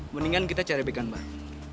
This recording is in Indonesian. mendingan kita cari backing an baru